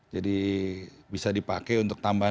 jadi bisa dipakai untuk tambahan